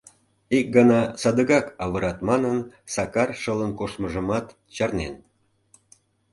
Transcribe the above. Ик гана садыгак авырат манын, Сакар шылын коштмыжымат чарнен.